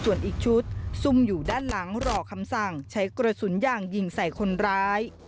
ส่วนอีกชุดซุ่มอยู่ด้านหลังรอคำสั่งใช้กระสุนยางยิงใส่คนร้าย